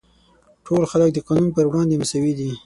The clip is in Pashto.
ټول خلک د قانون پر وړاندې مساوي دي.